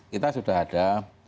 kita sudah ada